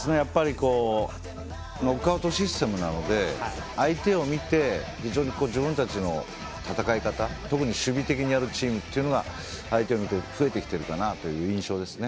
ノックアウトシステムなので、相手を見て非常に自分たちの戦い方特に守備的に戦うチームが相手を見て増えてきているかなという印象ですね。